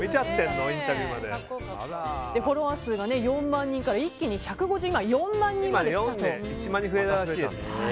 フォロワー数が４万人から一気に１５３万人にまで増えたと。